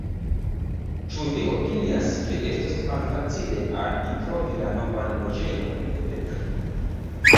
Ĉu vi opinias, ke estos malfacile al mi trovi la novan loĝejon de Petri.